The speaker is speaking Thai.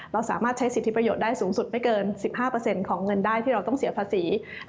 เราสามารถใช้สิทธิประโยชน์ได้สูงสุดไม่เกิน๑๕ของเงินได้ที่เราต้องเสียภาษี